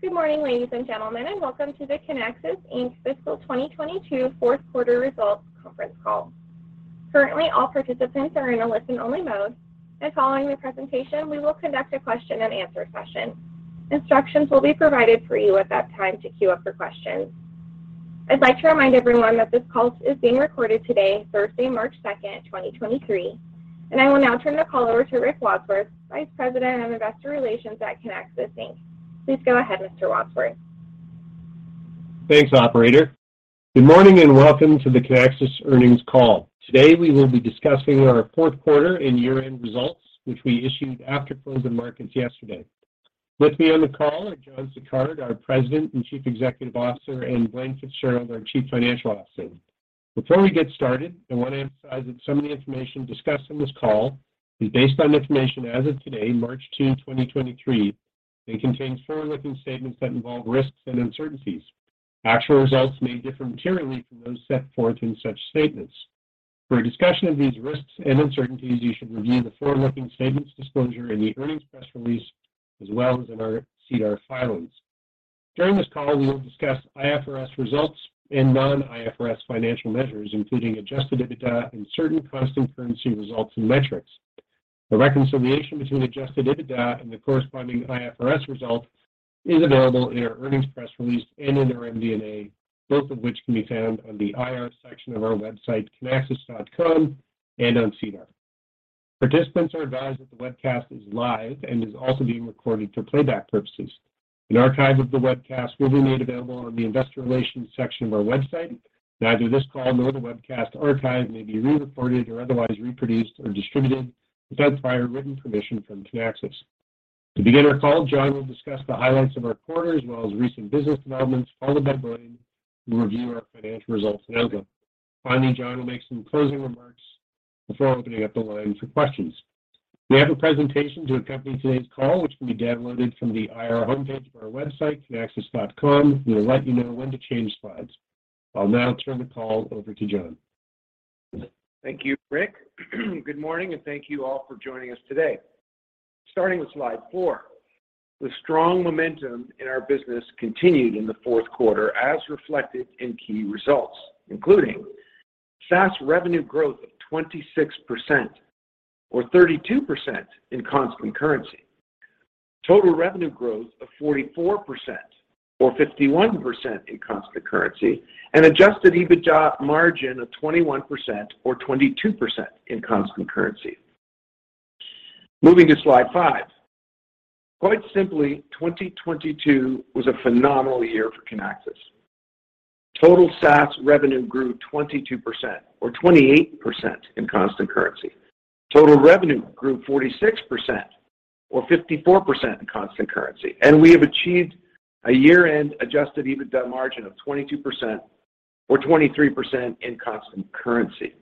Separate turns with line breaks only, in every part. Good morning, ladies and gentlemen, welcome to the Kinaxis Inc. fiscal 2022 fourth quarter results conference call. Currently, all participants are in a listen-only mode, and following the presentation, we will conduct a question-and-answer session. Instructions will be provided for you at that time to queue up for questions. I'd like to remind everyone that this call is being recorded today, Thursday, March 2nd, 2023, and I will now turn the call over to Rick Wadsworth, Vice President of Investor Relations at Kinaxis Inc. Please go ahead, Mr. Wadsworth.
Thanks, operator. Good morning, welcome to the Kinaxis earnings call. Today, we will be discussing our fourth quarter and year-end results, which we issued after closing markets yesterday. With me on the call are John Sicard, our President and Chief Executive Officer, and Blaine Fitzgerald, our Chief Financial Officer. Before we get started, I want to emphasize that some of the information discussed on this call is based on information as of today, March 2, 2023, and contains forward-looking statements that involve risks and uncertainties. Actual results may differ materially from those set forth in such statements. For a discussion of these risks and uncertainties, you should review the forward-looking statements disclosure in the earnings press release as well as in our SEDAR filings. During this call, we will discuss IFRS results and non-IFRS financial measures, including adjusted EBITDA and certain constant currency results and metrics. The reconciliation between adjusted EBITDA and the corresponding IFRS result is available in our earnings press release and in our MD&A, both of which can be found on the IR section of our website, kinaxis.com, and on SEDAR. Participants are advised that the webcast is live and is also being recorded for playback purposes. An archive of the webcast will be made available on the investor relations section of our website. Neither this call nor the webcast archive may be re-reported or otherwise reproduced or distributed without prior written permission from Kinaxis. To begin our call, John will discuss the highlights of our quarter, as well as recent business developments, followed by Blaine, who will review our financial results in outlook. Finally, John will make some closing remarks before opening up the line for questions. We have a presentation to accompany today's call, which can be downloaded from the IR homepage of our website, kinaxis.com. We will let you know when to change slides. I'll now turn the call over to John.
Thank you, Rick. Good morning, and thank you all for joining us today. Starting with slide four, the strong momentum in our business continued in the fourth quarter as reflected in key results, including SaaS revenue growth of 26% or 32% in constant currency, total revenue growth of 44% or 51% in constant currency, and adjusted EBITDA margin of 21% or 22% in constant currency. Moving to slide five. Quite simply, 2022 was a phenomenal year for Kinaxis. Total SaaS revenue grew 22% or 28% in constant currency. Total revenue grew 46% or 54% in constant currency, and we have achieved a year-end adjusted EBITDA margin of 22% or 23% in constant currency.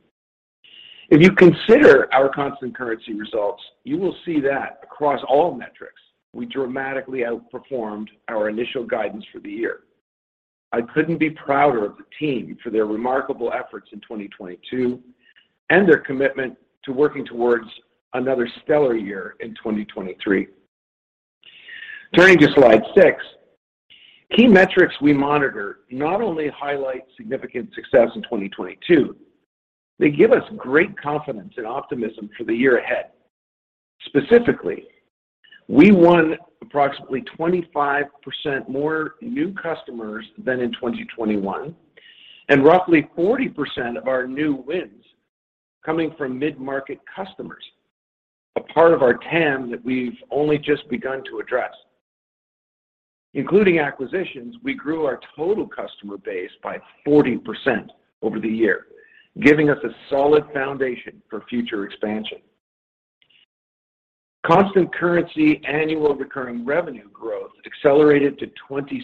If you consider our constant currency results, you will see that across all metrics, you dramatically outperformed our initial guidance for the year. I couldn't be prouder of the team for their remarkable efforts in 2022 and their commitment to working towards another stellar year in 2023. Turning to slide six. Key metrics we monitor not only highlight significant success in 2022, they give us great confidence and optimism for the year ahead. Specifically, we won approximately 25% more new customers than in 2021, and roughly 40% of our new wins coming from mid-market customers, a part of our TAM that we've only just begun to address. Including acquisitions, we grew our total customer base by 40% over the year, giving us a solid foundation for future expansion. Constant currency annual recurring revenue growth accelerated to 26%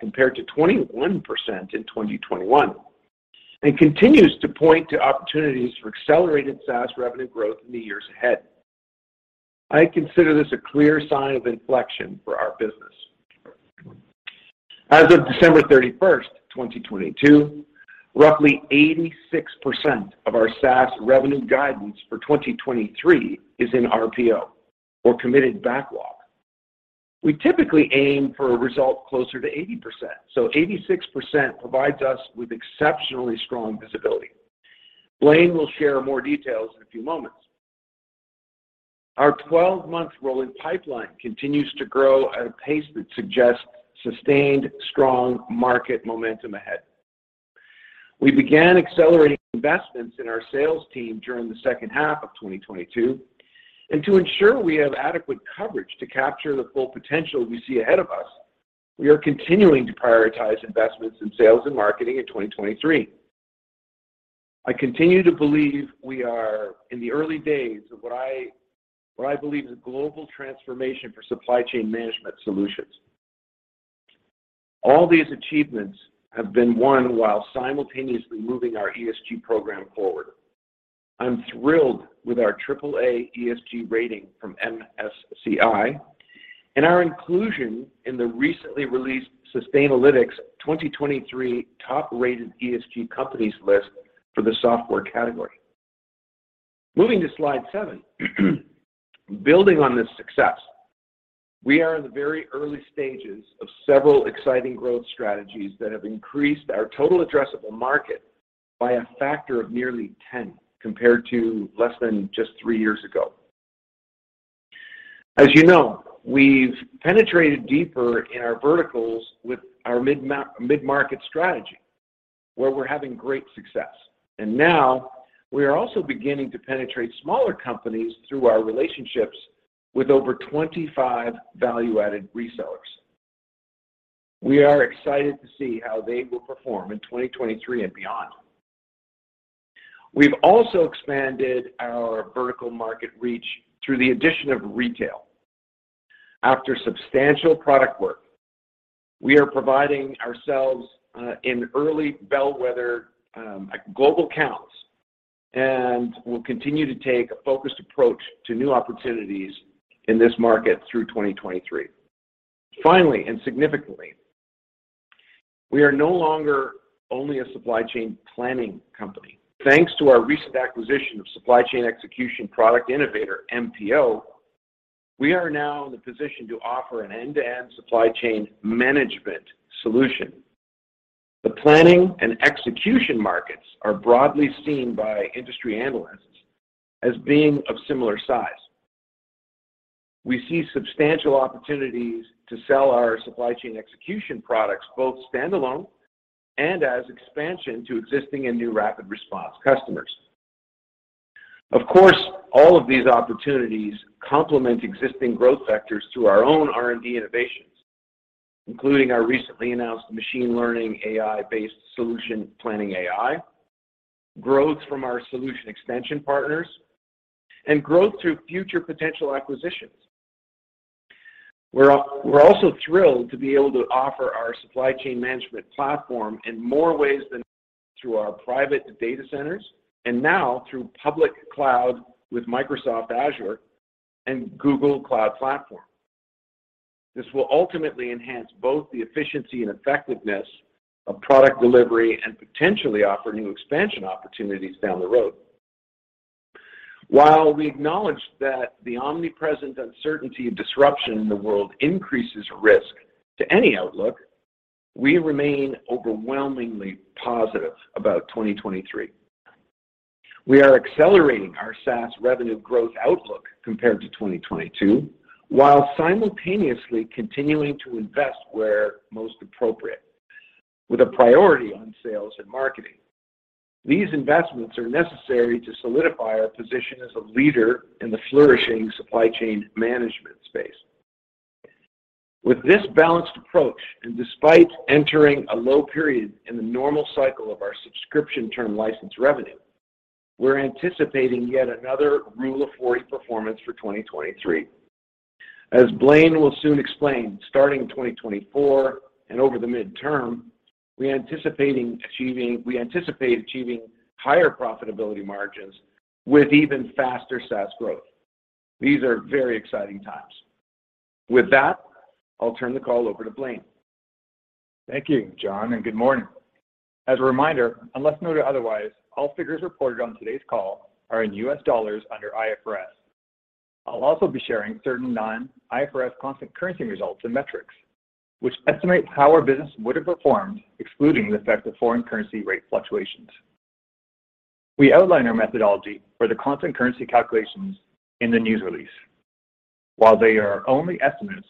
compared to 21% in 2021 and continues to point to opportunities for accelerated SaaS revenue growth in the years ahead. I consider this a clear sign of inflection for our business. As of December 31st, 2022, roughly 86% of our SaaS revenue guidance for 2023 is in RPO or committed backlog. We typically aim for a result closer to 80%. 86% provides us with exceptionally strong visibility. Blaine will share more details in a few moments. Our 12-month rolling pipeline continues to grow at a pace that suggests sustained strong market momentum ahead. We began accelerating investments in our sales team during the second half of 2022. To ensure we have adequate coverage to capture the full potential we see ahead of us, we are continuing to prioritize investments in sales and marketing in 2023. I continue to believe we are in the early days of what I believe is a global transformation for supply chain management solutions. All these achievements have been won while simultaneously moving our ESG program forward. I'm thrilled with our AAA ESG rating from MSCI and our inclusion in the recently released Sustainalytics 2023 top-rated ESG companies list for the software category. Moving to slide seven. Building on this success, we are in the very early stages of several exciting growth strategies that have increased our total addressable market by a factor of nearly 10, compared to less than just three years ago. As you know, we've penetrated deeper in our verticals with our mid-market strategy, where we're having great success. Now we are also beginning to penetrate smaller companies through our relationships with over 25 value-added resellers. We are excited to see how they will perform in 2023 and beyond. We've also expanded our vertical market reach through the addition of retail. After substantial product work, we are providing ourselves in early bellwether global counts, and we'll continue to take a focused approach to new opportunities in this market through 2023. Finally, and significantly, we are no longer only a supply chain planning company. Thanks to our recent acquisition of supply chain execution product innovator MPO, we are now in the position to offer an end-to-end supply chain management solution. The planning and execution markets are broadly seen by industry analysts as being of similar size. We see substantial opportunities to sell our supply chain execution products, both standalone and as expansion to existing and new RapidResponse customers. Of course, all of these opportunities complement existing growth vectors through our own R&D innovations, including our recently announced machine learning AI-based solution, Planning.AI, growth from our solution extension partners, and growth through future potential acquisitions. We're also thrilled to be able to offer our supply chain management platform in more ways than through our private data centers, and now through public cloud with Microsoft Azure and Google Cloud Platform. This will ultimately enhance both the efficiency and effectiveness of product delivery and potentially offer new expansion opportunities down the road. While we acknowledge that the omnipresent uncertainty and disruption in the world increases risk to any outlook, we remain overwhelmingly positive about 2023. We are accelerating our SaaS revenue growth outlook compared to 2022, while simultaneously continuing to invest where most appropriate, with a priority on sales and marketing. These investments are necessary to solidify our position as a leader in the flourishing supply chain management space. Despite entering a low period in the normal cycle of our subscription term license revenue, we're anticipating yet another Rule of 40 performance for 2023. As Blaine will soon explain, starting in 2024 and over the midterm, we anticipate achieving higher profitability margins with even faster SaaS growth. These are very exciting times. With that, I'll turn the call over to Blaine.
Thank you, John, good morning. As a reminder, unless noted otherwise, all figures reported on today's call are in U.S. dollars under IFRS. I'll also be sharing certain non-IFRS constant currency results and metrics, which estimate how our business would have performed, excluding the effect of foreign currency rate fluctuations. We outline our methodology for the constant currency calculations in the news release. While they are only estimates,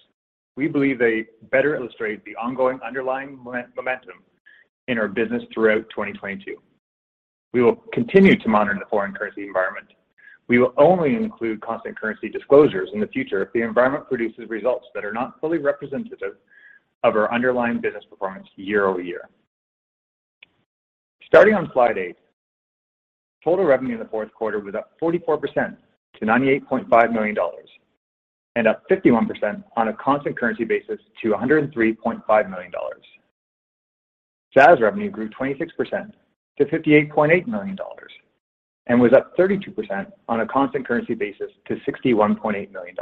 we believe they better illustrate the ongoing underlying momentum in our business throughout 2022. We will continue to monitor the foreign currency environment. We will only include constant currency disclosures in the future if the environment produces results that are not fully representative of our underlying business performance year-over-year. Starting on slide eight, total revenue in the fourth quarter was up 44% to $98.5 million, and up 51% on a constant currency basis to $103.5 million. SaaS revenue grew 26% to $58.8 million, and was up 32% on a constant currency basis to $61.8 million.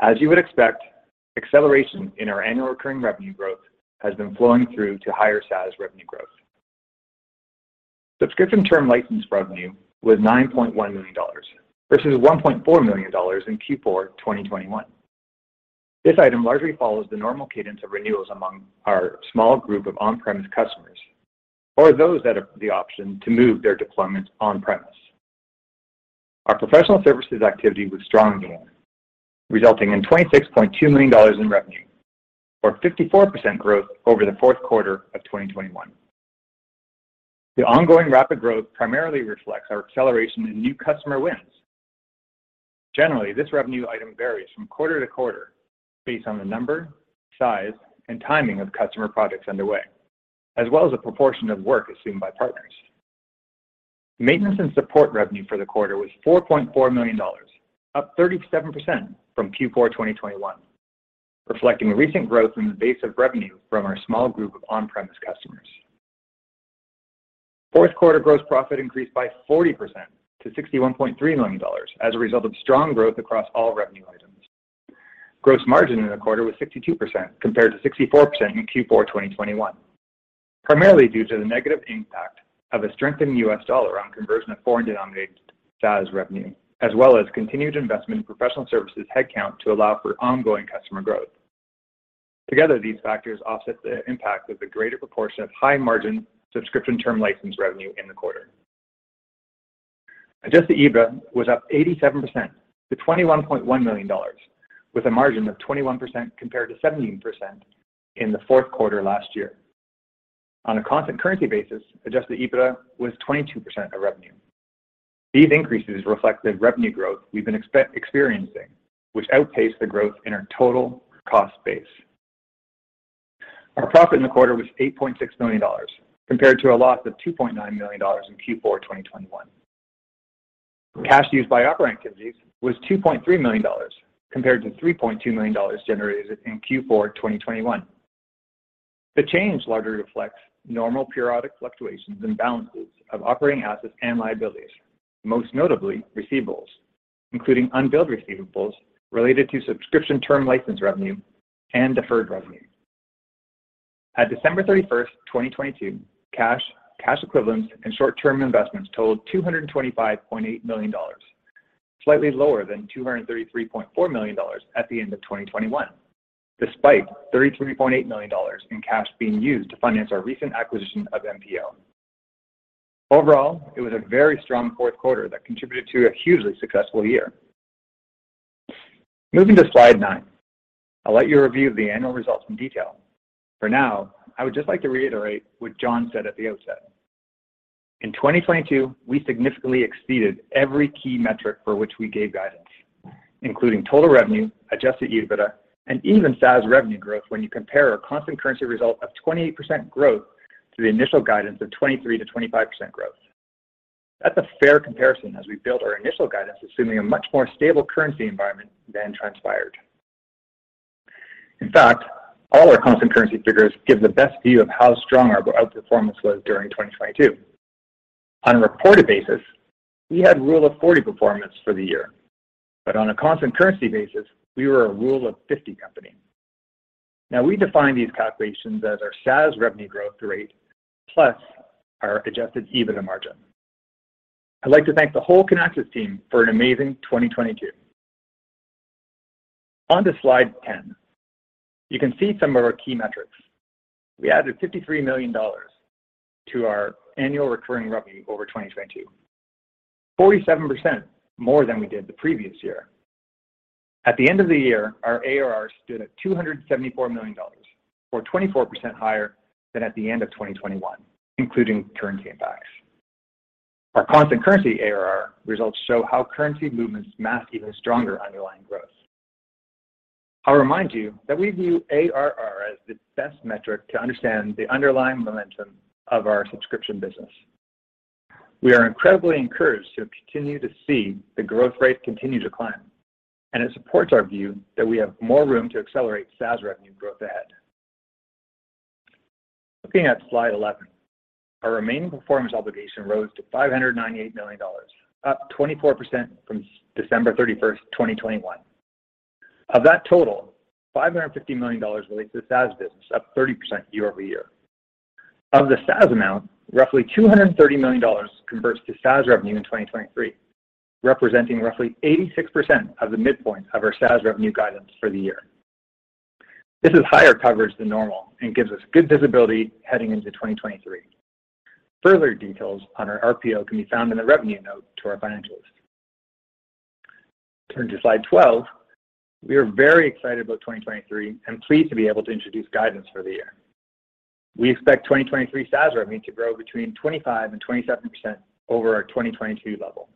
As you would expect, acceleration in our annual recurring revenue growth has been flowing through to higher SaaS revenue growth. Subscription term license revenue was $9.1 million, versus $1.4 million in Q4 2021. This item largely follows the normal cadence of renewals among our small group of on-premise customers or those that have the option to move their deployments on-premise. Our professional services activity was strong again, resulting in $26.2 million in revenue, or 54% growth over the fourth quarter of 2021. The ongoing rapid growth primarily reflects our acceleration in new customer wins. Generally, this revenue item varies from quarter to quarter based on the number, size, and timing of customer projects underway, as well as the proportion of work assumed by partners. Maintenance and support revenue for the quarter was $4.4 million, up 37% from Q4, 2021, reflecting recent growth in the base of revenue from our small group of on-premise customers. Fourth quarter gross profit increased by 40% to $61.3 million as a result of strong growth across all revenue items. Gross margin in the quarter was 62% compared to 64% in Q4 2021, primarily due to the negative impact of a strengthened U.S. dollar on conversion of foreign denominated SaaS revenue, as well as continued investment in professional services headcount to allow for ongoing customer growth. Together, these factors offset the impact of the greater proportion of high margin subscription term license revenue in the quarter. Adjusted EBITDA was up 87% to $21.1 million, with a margin of 21% compared to 17% in the fourth quarter last year. On a constant currency basis, Adjusted EBITDA was 22% of revenue. These increases reflect the revenue growth we've been experiencing, which outpaced the growth in our total cost base. Our profit in the quarter was $8.6 million, compared to a loss of $2.9 million in Q4 2021. Cash used by operating activities was $2.3 million, compared to $3.2 million generated in Q4 2021. The change largely reflects normal periodic fluctuations and balances of operating assets and liabilities, most notably receivables, including unbilled receivables related to subscription term license revenue and deferred revenue. At December 31st, 2022, csh equivalents, and short-term investments totaled $225.8 million, slightly lower than $233.4 million at the end of 2021, despite $33.8 million in cash being used to finance our recent acquisition of MPO. Overall, it was a very strong fourth quarter that contributed to a hugely successful year. Moving to slide nine, I'll let you review the annual results in detail. For now, I would just like to reiterate what John said at the outset. In 2022, we significantly exceeded every key metric for which we gave guidance, including total revenue, adjusted EBITDA, and even SaaS revenue growth when you compare our constant currency result of 28% growth to the initial guidance of 23%-25% growth. That's a fair comparison as we built our initial guidance assuming a much more stable currency environment than transpired. In fact, all our constant currency figures give the best view of how strong our outperformance was during 2022. On a reported basis, we had Rule of 40 performance for the year, but on a constant currency basis, we were a Rule of 50 company. We define these calculations as our SaaS revenue growth rate plus our adjusted EBITDA margin. I'd like to thank the whole Kinaxis team for an amazing 2022. On to slide 10, you can see some of our key metrics. We added $53 million to our annual recurring revenue over 2022, 47% more than we did the previous year. At the end of the year, our ARR stood at $274 million, or 24% higher than at the end of 2021, including currency impacts. Our constant currency ARR results show how currency movements mask even stronger underlying growth. I'll remind you that we view ARR as the best metric to understand the underlying momentum of our subscription business. We are incredibly encouraged to continue to see the growth rate continue to climb. It supports our view that we have more room to accelerate SaaS revenue growth ahead. Looking at slide 11, our remaining performance obligation rose to $598 million, up 24% from December 31st, 2021. Of that total, $550 million relates to the SaaS business, up 30% year-over-year. Of the SaaS amount, roughly $230 million converts to SaaS revenue in 2023, representing roughly 86% of the midpoint of our SaaS revenue guidance for the year. This is higher coverage than normal and gives us good visibility heading into 2023. Further details on our RPO can be found in the revenue note to our financials. Turn to slide 12. We are very excited about 2023 and pleased to be able to introduce guidance for the year. We expect 2023 SaaS revenue to grow between 25%-27% over our 2022 level.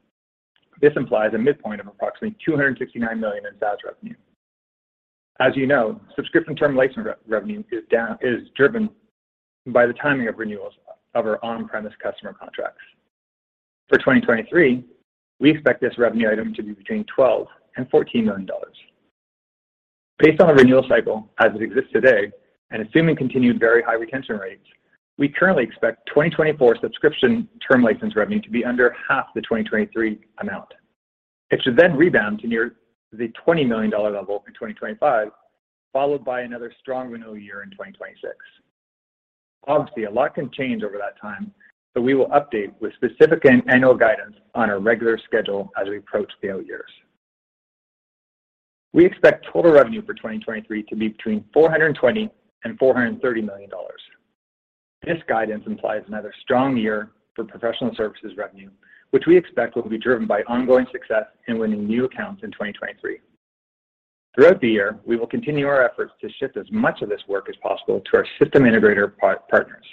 This implies a midpoint of approximately $269 million in SaaS revenue. As you know, subscription term license re-revenue is driven by the timing of renewals of our on-premise customer contracts. For 2023, we expect this revenue item to be between $12 million-$14 million. Based on our renewal cycle as it exists today, and assuming continued very high retention rates, we currently expect 2024 subscription term license revenue to be under half the 2023 amount. It should then rebound to near the $20 million level in 2025, followed by another strong renewal year in 2026. Obviously, a lot can change over that time, we will update with specific and annual guidance on our regular schedule as we approach the out years. We expect total revenue for 2023 to be between $420 million and $430 million. This guidance implies another strong year for professional services revenue, which we expect will be driven by ongoing success in winning new accounts in 2023. Throughout the year, we will continue our efforts to shift as much of this work as possible to our system integrator partners.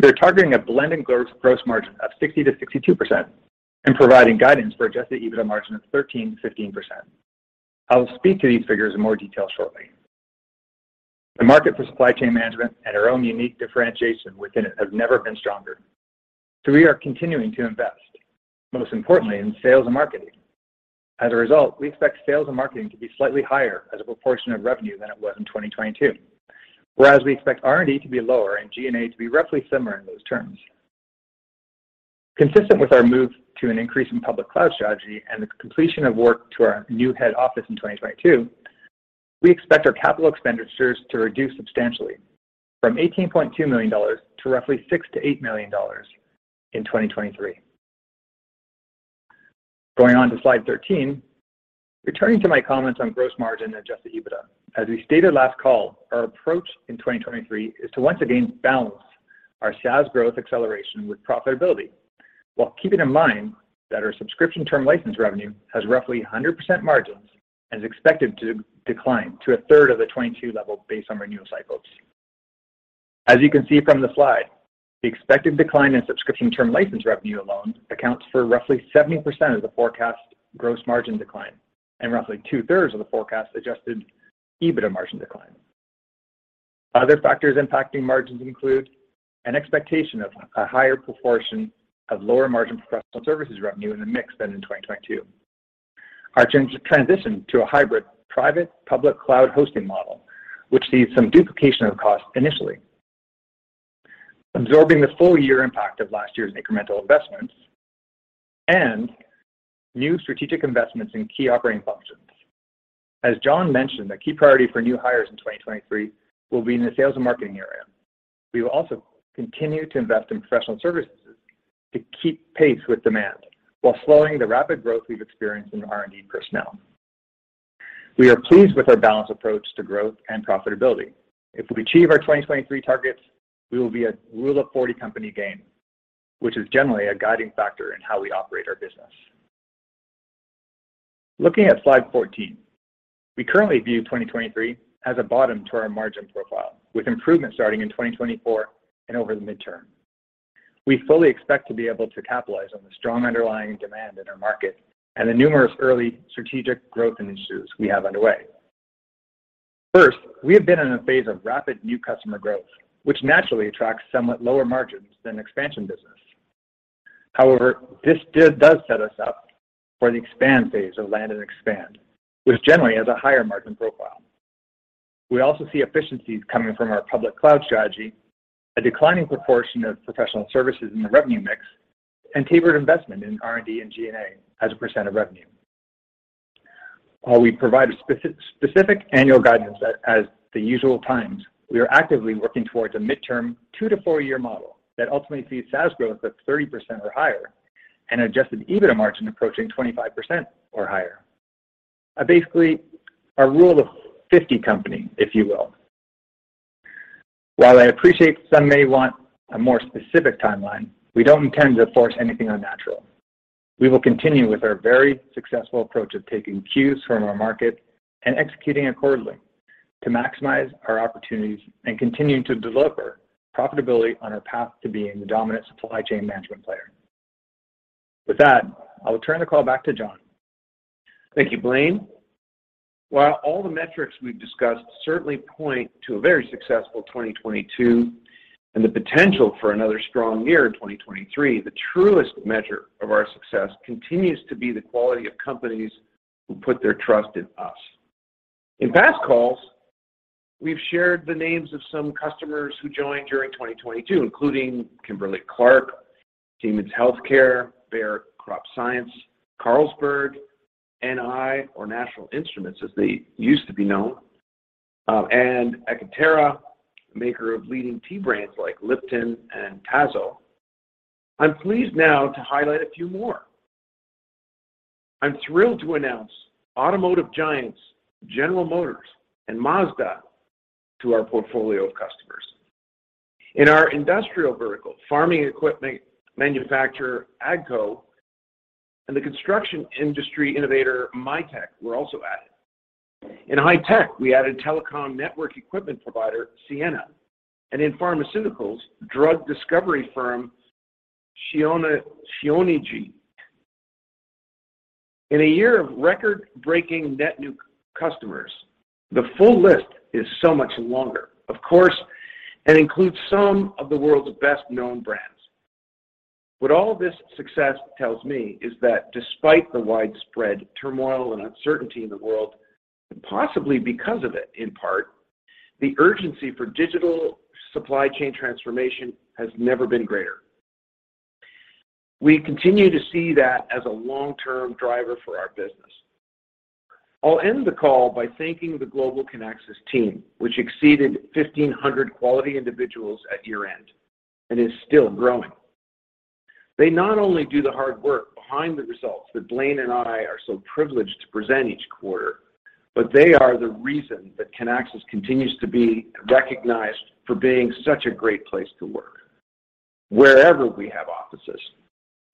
We are targeting a blended gross margin of 60%-62% and providing guidance for adjusted EBITDA margin of 13%-15%. I will speak to these figures in more detail shortly. The market for supply chain management and our own unique differentiation within it have never been stronger, so we are continuing to invest, most importantly in sales and marketing. As a result, we expect sales and marketing to be slightly higher as a proportion of revenue than it was in 2022. Whereas we expect R&D to be lower and G&A to be roughly similar in those terms. Consistent with our move to an increase in public cloud strategy and the completion of work to our new head office in 2022, we expect our capital expenditures to reduce substantially from $18.2 million to roughly $6 million-$8 million in 2023. Going on to slide 13. Returning to my comments on adjusted EBITDA, as we stated last call, our approach in 2023 is to once again balance our SaaS growth acceleration with profitability, while keeping in mind that our subscription term license revenue has roughly 100% margins and is expected to decline to a third of the 2022 level based on renewal cycles. As you can see from the slide, the expected decline in subscription term license revenue alone accounts for roughly 70% of the forecast gross margin decline and roughly 2/3 of the forecast adjusted EBITDA margin decline. Other factors impacting margins include an expectation of a higher proportion of lower margin professional services revenue in the mix than in 2022. Our transition to a hybrid private public cloud hosting model, which sees some duplication of cost initially. Absorbing the full year impact of last year's incremental investments and new strategic investments in key operating functions. As John mentioned, the key priority for new hires in 2023 will be in the sales and marketing area. We will also continue to invest in professional services to keep pace with demand while slowing the rapid growth we've experienced in R&D personnel. We are pleased with our balanced approach to growth and profitability. If we achieve our 2023 targets, we will be a Rule of 40 company gain, which is generally a guiding factor in how we operate our business. Looking at slide 14. We currently view 2023 as a bottom to our margin profile, with improvement starting in 2024 and over the midterm. We fully expect to be able to capitalize on the strong underlying demand in our market and the numerous early strategic growth initiatives we have underway. First, we have been in a phase of rapid new customer growth, which naturally attracts somewhat lower margins than expansion business. However, this does set us up for the expand phase of land and expand, which generally has a higher margin profile. We also see efficiencies coming from our public cloud strategy, a declining proportion of professional services in the revenue mix, and tapered investment in R&D and G&A as a percent of revenue. While we provide a specific annual guidance as the usual times, we are actively working towards a midterm two to four year model that ultimately sees SaaS growth of 30% or higher and adjusted EBITDA margin approaching 25% or higher. Basically, a Rule of 50 company, if you will. While I appreciate some may want a more specific timeline, we don't intend to force anything unnatural. We will continue with our very successful approach of taking cues from our market and executing accordingly to maximize our opportunities and continuing to develop our profitability on our path to being the dominant supply chain management player. With that, I will turn the call back to John.
Thank you, Blaine. While all the metrics we've discussed certainly point to a very successful 2022 and the potential for another strong year in 2023, the truest measure of our success continues to be the quality of companies who put their trust in us. In past calls, we've shared the names of some customers who joined during 2022, including Kimberly-Clark, Siemens Healthineers, Bayer CropScience, Carlsberg, NI, or National Instruments, as they used to be known, and ekaterra, maker of leading tea brands like Lipton and TAZO. I'm pleased now to highlight a few more. I'm thrilled to announce automotive giants General Motors and Mazda to our portfolio of customers. In our industrial vertical, farming equipment manufacturer AGCO and the construction industry innovator MiTek were also added. In high tech, we added telecom network equipment provider Ciena, and in pharmaceuticals, drug discovery firm Shionogi. In a year of record-breaking net new customers, the full list is so much longer, of course, and includes some of the world's best-known brands. What all this success tells me is that despite the widespread turmoil and uncertainty in the world, and possibly because of it in part, the urgency for digital supply chain transformation has never been greater. We continue to see that as a long-term driver for our business. I'll end the call by thanking the global Kinaxis team, which exceeded 1,500 quality individuals at year-end and is still growing. They not only do the hard work behind the results that Blaine and I are so privileged to present each quarter, but they are the reason that Kinaxis continues to be recognized for being such a great place to work wherever we have offices.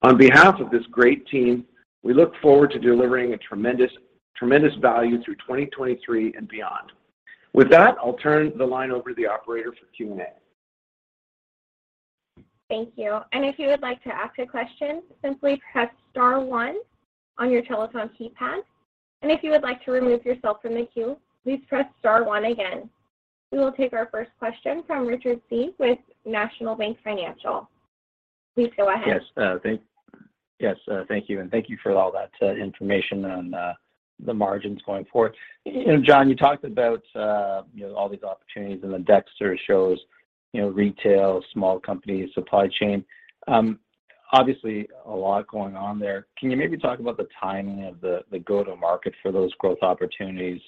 On behalf of this great team, we look forward to delivering a tremendous value through 2023 and beyond. With that, I'll turn the line over to the operator for Q&A.
Thank you. If you would like to ask a question, simply press star one on your telephone keypad. If you would like to remove yourself from the queue, please press star one again. We will take our first question from Richard Tse with National Bank Financial. Please go ahead.
Yes. Thank you, and thank you for all that information on the margins going forward. You know, John, you talked about, you know, all these opportunities, and the Dexter shows, you know, retail, small companies, supply chain. Obviously a lot going on there. Can you maybe talk about the timing of the go-to-market for those growth opportunities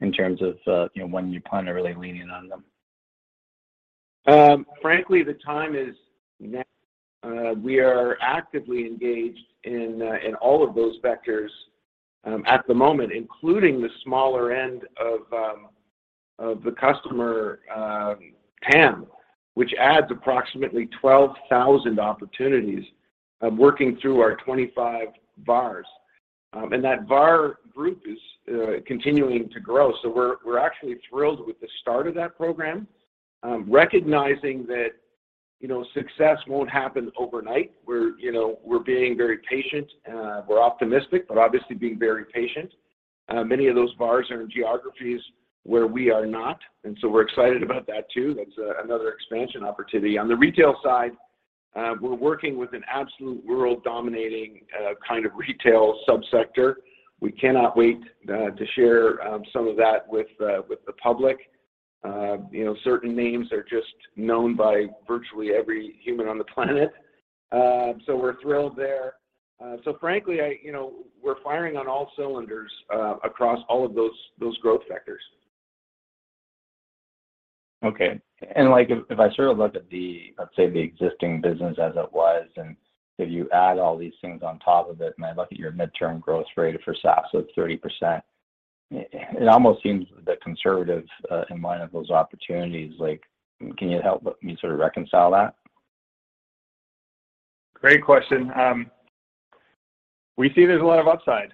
in terms of, you know, when you plan to really lean in on them?
Frankly, the time is now. We are actively engaged in all of those vectors at the moment, including the smaller end of the customer TAM, which adds approximately 12,000 opportunities of working through our 25 VARs. That VAR group is continuing to grow. We're actually thrilled with the start of that program, recognizing that, you know, success won't happen overnight. We're, you know, we're being very patient. We're optimistic, but obviously being very patient. Many of those VARs are in geographies where we are not, and so we're excited about that too. That's another expansion opportunity. On the retail side, we're working with an absolute world-dominating kind of retail subsector. We cannot wait to share some of that with the public. You know, certain names are just known by virtually every human on the planet. We're thrilled there. Frankly, you know, we're firing on all cylinders across all of those growth vectors.
Okay. Like if I sort of look at the, let's say, the existing business as it was, if you add all these things on top of it, I look at your midterm growth rate for SaaS, it's 30%, it almost seems the conservative in light of those opportunities. Like, can you help me sort of reconcile that?
Great question. We see there's a lot of upside.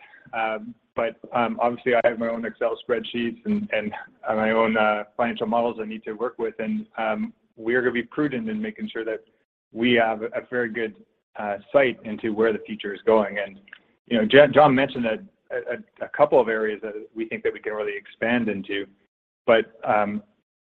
But obviously I have my own Excel spreadsheets and my own financial models I need to work with. We're gonna be prudent in making sure that we have a very good sight into where the future is going. You know, John mentioned a couple of areas that we think that we can really expand into, but,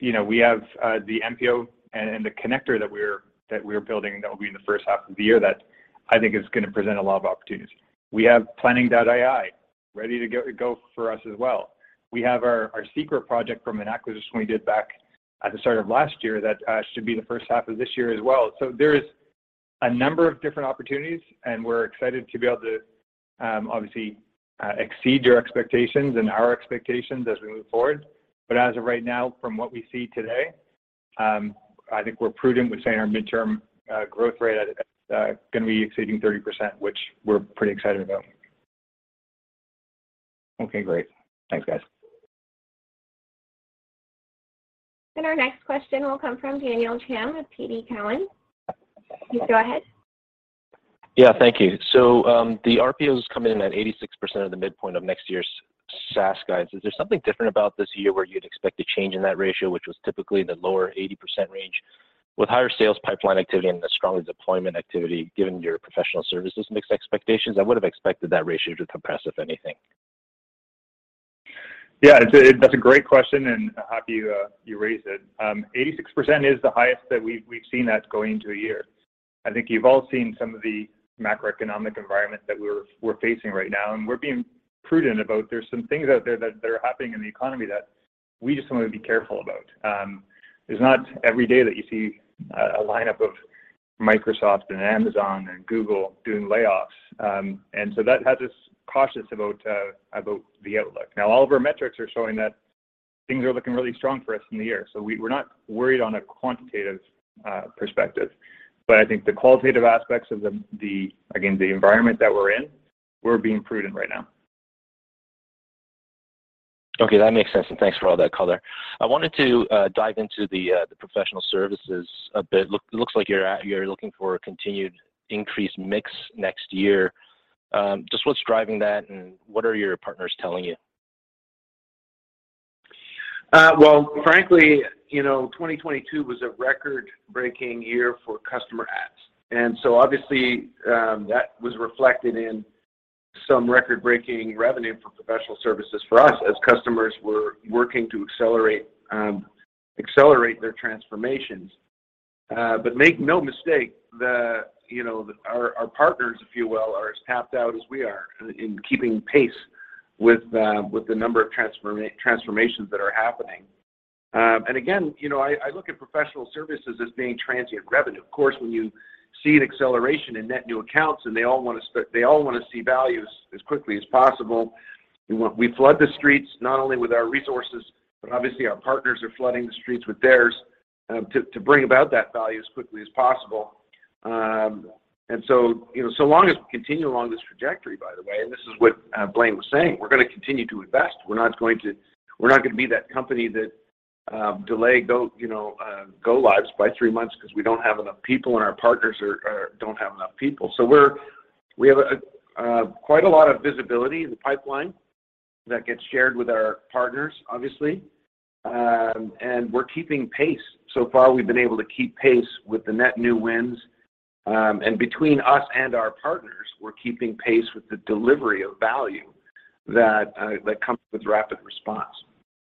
you know, we have the MPO and the connector that we're building that will be in the first half of the year that I think is gonna present a lot of opportunities. We have Planning.AI ready to go for us as well. We have our secret project from an acquisition we did back at the start of last year that should be in the first half of this year as well. There's a number of different opportunities, and we're excited to be able to obviously exceed your expectations and our expectations as we move forward. As of right now, from what we see today, I think we're prudent with saying our midterm growth rate gonna be exceeding 30%, which we're pretty excited about.
Okay, great. Thanks, guys.
Our next question will come from Daniel Chan with TD Cowen. Please go ahead.
Yeah. Thank you. The RPOs come in at 86% of the midpoint of next year's SaaS guidance. Is there something different about this year where you'd expect a change in that ratio, which was typically in the lower 80% range? With higher sales pipeline activity and the stronger deployment activity, given your professional services mix expectations, I would've expected that ratio to compress, if anything.
Yeah. That's a great question. I'm happy you raised it. 86% is the highest that we've seen that going into a year. I think you've all seen some of the macroeconomic environment that we're facing right now. We're being prudent about... There's some things out there that are happening in the economy that we just want to be careful about. It's not every day that you see a lineup of Microsoft and Amazon and Google doing layoffs. That has us cautious about the outlook. Now, all of our metrics are showing that things are looking really strong for us in the year, so we're not worried on a quantitative perspective. I think the qualitative aspects of the again, the environment that we're in, we're being prudent right now.
Okay. That makes sense. Thanks for all that color. I wanted to dive into the professional services a bit. Looks like you're looking for a continued increased mix next year. Just what's driving that, and what are your partners telling you?
Well, frankly, you know, 2022 was a record-breaking year for customer adds, obviously, that was reflected in some record-breaking revenue from professional services for us as customers were working to accelerate their transformations. Make no mistake, you know, Our partners, if you will, are as tapped out as we are in keeping pace with the number of transformations that are happening. Again, you know, I look at professional services as being transient revenue. Of course, when you see an acceleration in net new accounts and they all wanna see value as quickly as possible, we flood the streets not only with our resources, but obviously, our partners are flooding the streets with theirs to bring about that value as quickly as possible. You know, so long as we continue along this trajectory, by the way, and this is what, Blaine was saying, we're gonna continue to invest. We're not gonna be that company that delay go, you know, go lives by three months 'cause we don't have enough people and our partners don't have enough people. We have a quite a lot of visibility in the pipeline that gets shared with our partners, obviously. We're keeping pace. So far, we've been able to keep pace with the net new wins. Between us and our partners, we're keeping pace with the delivery of value that comes with RapidResponse.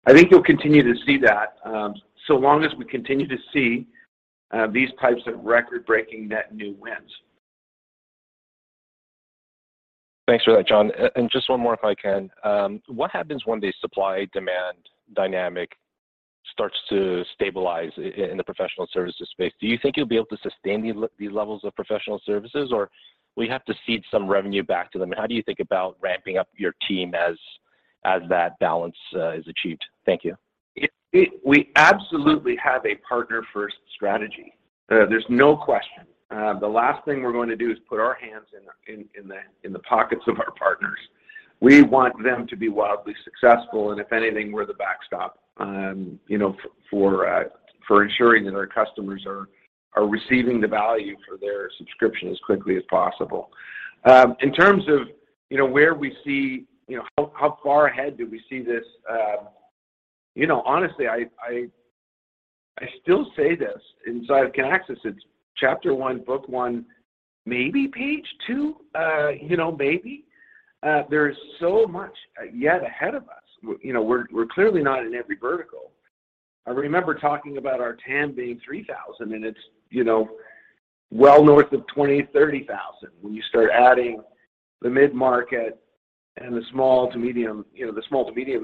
I think you'll continue to see that, so long as we continue to see these types of record-breaking net new wins.
Thanks for that, John. Just one more if I can. What happens when the supply-demand dynamic starts to stabilize in the professional services space? Do you think you'll be able to sustain these levels of professional services, or will you have to cede some revenue back to them? How do you think about ramping up your team as that balance is achieved? Thank you.
We absolutely have a partner-first strategy. There's no question. The last thing we're going to do is put our hands in the pockets of our partners. We want them to be wildly successful, and if anything, we're the backstop, you know, for ensuring that our customers are receiving the value for their subscription as quickly as possible. In terms of, you know, where we see, you know, how far ahead do we see this? You know, honestly, I still say this inside of Kinaxis, it's chapter one, book one, maybe page two, you know, maybe. There is so much yet ahead of us. You know, we're clearly not in every vertical. I remember talking about our TAM being $3,000, it's, you know, well north of $20,000-$30,000 when you start adding the mid-market and the small to medium, you know,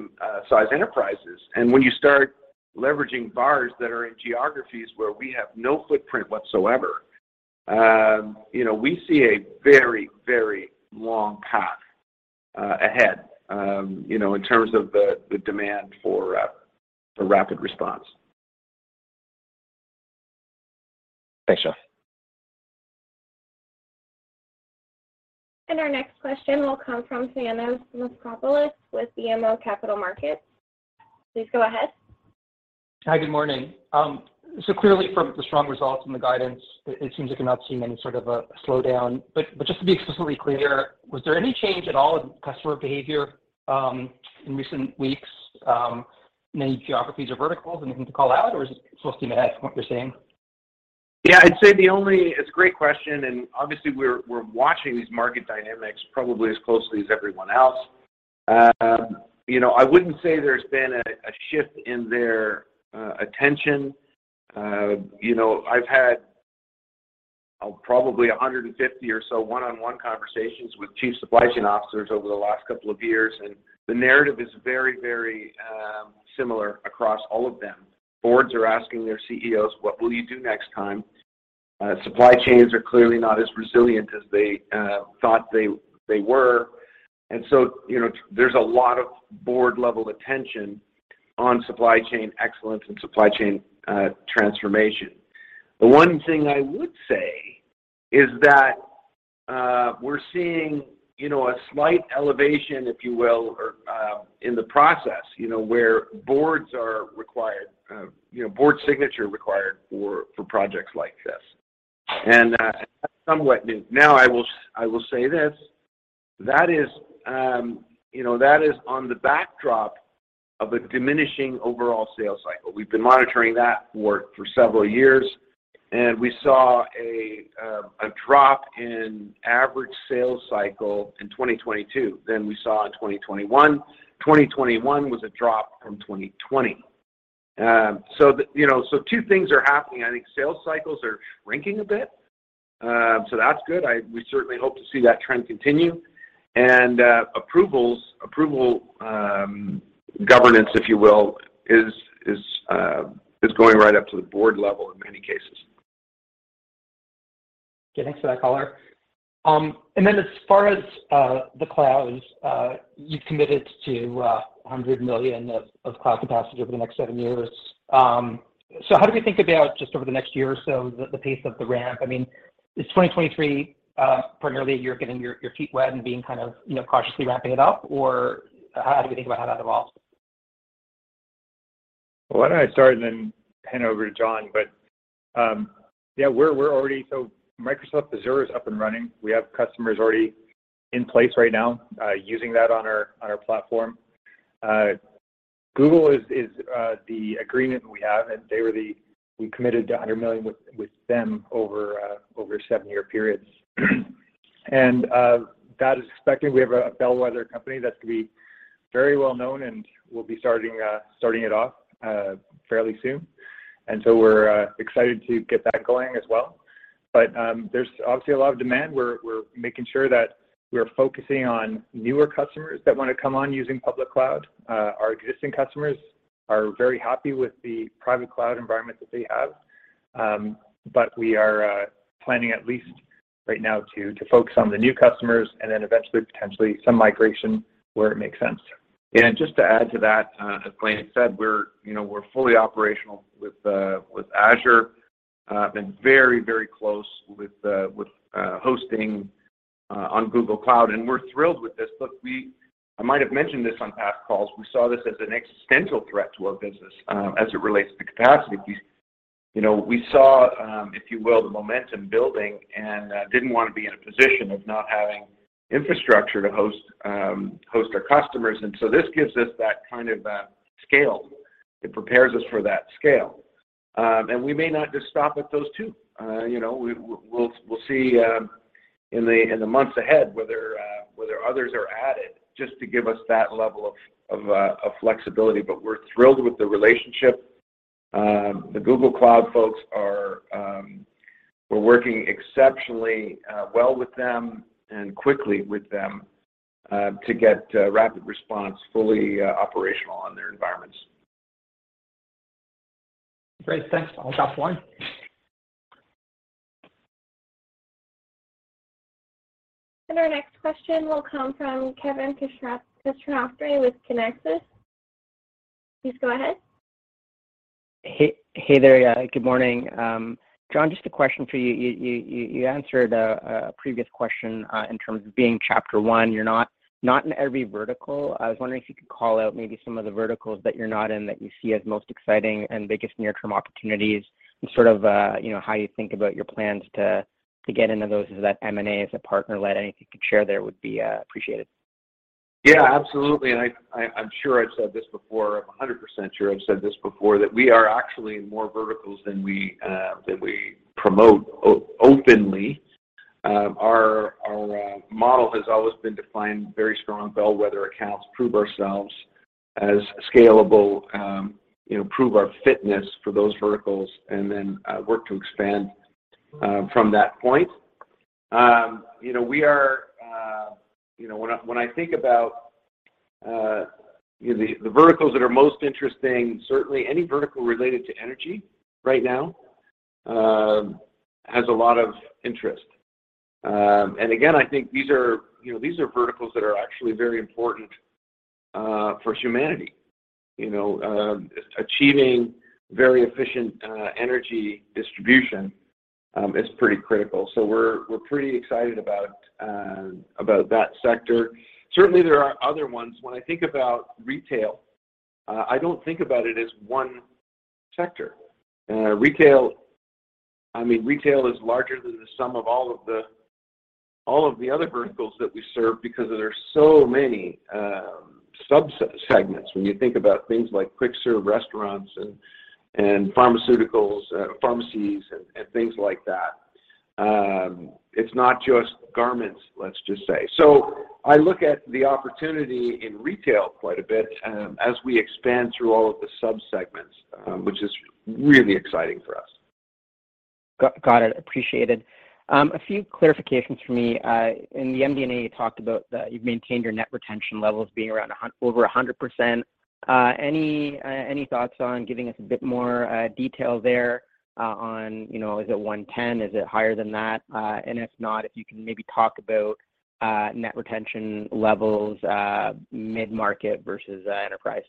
size enterprises. When you start leveraging VARs that are in geographies where we have no footprint whatsoever, you know, we see a very, very long path ahead, you know, in terms of the demand for RapidResponse.
Thanks, John.
Our next question will come from Thanos Moschopoulos with BMO Capital Markets. Please go ahead.
Hi, good morning. Clearly from the strong results and the guidance, it seems like you're not seeing any sort of a slowdown. Just to be explicitly clear, was there any change at all in customer behavior in recent weeks in any geographies or verticals, anything to call out, or is it still status quo what you're seeing?
Yeah. I'd say I'd say It's a great question. Obviously we're watching these market dynamics probably as closely as everyone else. You know, I wouldn't say there's been a shift in their attention. You know, I've had probably 150 or so one-on-one conversations with chief supply chain officers over the last couple of years. The narrative is very, very similar across all of them. Boards are asking their CEOs, "What will you do next time?" Supply chains are clearly not as resilient as they thought they were. You know, there's a lot of board-level attention on supply chain excellence and supply chain transformation. The one thing I would say is that, we're seeing, you know, a slight elevation, if you will, or, in the process, you know, where boards are required, you know, board signature required for projects like this. That's somewhat new. Now, I will say this, that is, you know, that is on the backdrop of a diminishing overall sales cycle. We've been monitoring that for several years, and we saw a drop in average sales cycle in 2022 than we saw in 2021. 2021 was a drop from 2020. The, you know, so two things are happening. I think sales cycles are shrinking a bit, so that's good. We certainly hope to see that trend continue. Approvals, governance, if you will, is going right up to the board level in many cases.
Okay. Thanks for that color. As far as the clouds, you've committed to $100 million of cloud capacity over the next seven years. How do we think about just over the next year or so, the pace of the ramp? I mean, is 2023 for nearly a year, getting your feet wet and being kind of, you know, cautiously ramping it up, or how do we think about how that evolves?
Why don't I start and then hand over to John. Yeah, Microsoft Azure is up and running. We have customers already in place right now using that on our platform. Google is the agreement we have, we committed to $100 million with them over a seven-year periods. That is expected. We have a bellwether company that's gonna be very well known, we'll be starting it off fairly soon. We're excited to get that going as well. There's obviously a lot of demand. We're making sure that we're focusing on newer customers that wanna come on using public cloud. Our existing customers are very happy with the private cloud environment that they have. We are planning at least right now to focus on the new customers and then eventually potentially some migration where it makes sense.
Just to add to that, as Blaine said, we're, you know, we're fully operational with Azure, been very, very close with hosting on Google Cloud, and we're thrilled with this. Look, I might have mentioned this on past calls. We saw this as an existential threat to our business as it relates to capacity piece. You know, we saw, if you will, the momentum building and didn't wanna be in a position of not having infrastructure to host our customers. This gives us that kind of scale. It prepares us for that scale. We may not just stop at those two. You know, we'll see in the months ahead whether others are added just to give us that level of flexibility. We're thrilled with the relationship. The Google Cloud folks. We're working exceptionally well with them and quickly with them to get RapidResponse fully operational on their environments.
Great. Thanks. I'll pass on.
Our next question will come from Kevin Krishnaratne with Kinaxis. Please go ahead.
Hey, hey there. Yeah, good morning. John, just a question for you. You answered a previous question, in terms of being chapter one, you're not in every vertical. I was wondering if you could call out maybe some of the verticals that you're not in that you see as most exciting and biggest near-term opportunities and sort of, you know, how you think about your plans to get into those. Is that M&A? Is it partner led? Anything you could share there would be appreciated.
Absolutely. I'm sure I've said this before, I'm 100% sure I've said this before, that we are actually in more verticals than we promote openly. Our model has always been to find very strong bellwether accounts, prove ourselves as scalable, you know, prove our fitness for those verticals and then work to expand from that point. You know, we are, you know, when I think about, you know, the verticals that are most interesting, certainly any vertical related to energy right now has a lot of interest. Again, I think these are, you know, these are verticals that are actually very important for humanity. You know, achieving very efficient energy distribution is pretty critical. We're pretty excited about that sector. Certainly, there are other ones. When I think about retail, I don't think about it as one sector. Retail, I mean, retail is larger than the sum of all of the other verticals that we serve because there are so many subset segments when you think about things like quick serve restaurants and pharmaceuticals, pharmacies and things like that. It's not just garments, let's just say. I look at the opportunity in retail quite a bit as we expand through all of the sub-segments, which is really exciting for us.
Got it. Appreciated. A few clarifications for me. In the MD&A, you talked about that you've maintained your net retention levels being around over 100%. Any thoughts on giving us a bit more detail there on, you know, is it 110%? Is it higher than that? If not, if you can maybe talk about net retention levels, mid-market versus enterprise.